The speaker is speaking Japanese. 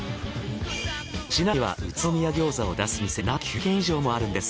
市内には宇都宮餃子を出す店がなんと９０軒以上もあるんです。